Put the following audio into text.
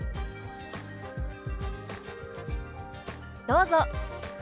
どうぞ。